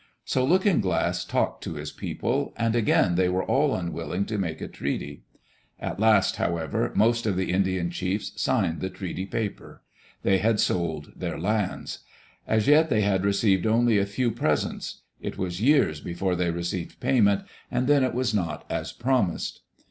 So Looking Glass talked to his people; and again they were all unwilling to make a treaty. At last, however, most of the Indian chiefs signed the treaty paper. They had sold their lands. As yet they had received only a few presents; it was years before they received payment, and then it was not as promised.